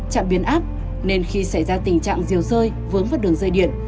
chạm biến áp nên khi xảy ra tình trạng diều rơi vướng vào đường dây điện